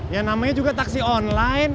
yang namanya juga taksi online